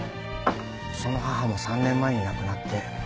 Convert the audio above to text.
その母も３年前に亡くなって。